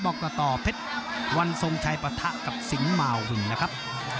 บอกต่อเพชรวันทรงชัยปะทะกับสิงหมาวินนะครับ